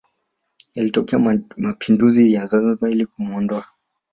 Yalitokea mapinduzi ya Zanzibar ili kumuondoa